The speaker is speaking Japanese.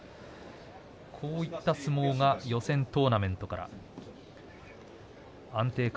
こういった相撲が予選トーナメントから安定感。